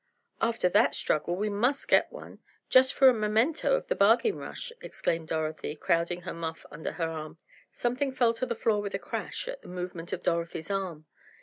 "After that struggle, we must get one, just for a memento of the bargain rush," exclaimed Dorothy, crowding her muff under her arm. Something fell to the floor with a crash at the movement of Dorothy's arm.